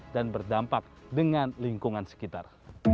dan berdampak dengan lingkungan sekitar